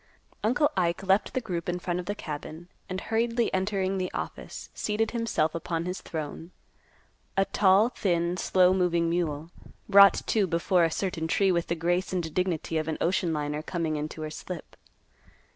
Uncle Ike left the group in front of the cabin, and, hurriedly entering the office, seated himself upon his throne. A tall, thin, slow moving mule, brought to before a certain tree with the grace and dignity of an ocean liner coming into her slip.